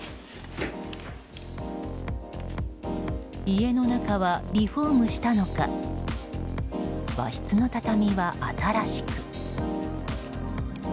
家の中はリフォームしたのか和室の畳は新しく。